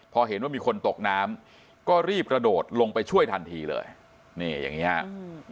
พอเห็นว่ามีคนตกน้ำก็รีบกระโดดลงไปช่วยทันทีเลยนี่อย่างนี้ฮะ